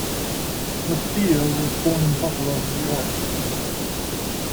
Mustillo was born in Buffalo, New York.